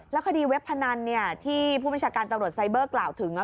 คดีเว็บพนันที่ผู้บัญชาการตำรวจไซเบอร์กล่าวถึง